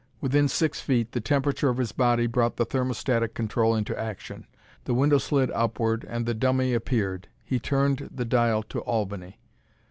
Within six feet, the temperature of his body brought the thermostatic control into action; the window slid upward and the dummy appeared. He turned the dial to Albany.